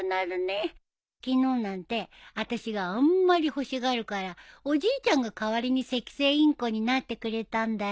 昨日なんてあたしがあんまり欲しがるからおじいちゃんが代わりにセキセイインコになってくれたんだよ。